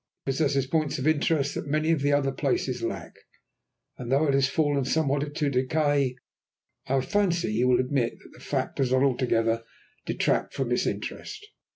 It possesses points of interest that many of the other palaces lack, and, though it has fallen somewhat to decay, I fancy you will admit that the fact does not altogether detract from its interest."